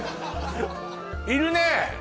いるね